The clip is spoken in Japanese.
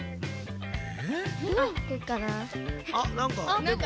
あっなんか。